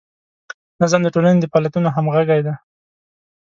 نظم د ټولنې د فعالیتونو همغږي ده.